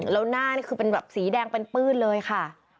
แล้วหน้านี่คือเป็นแบบสีแดงเป็นปื้นเลยค่ะ